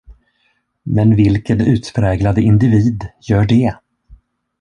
Men vilken utpräglad individ gör det?